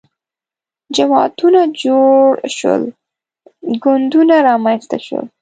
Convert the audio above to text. جماعتونه جوړ شول ګوندونه رامنځته شول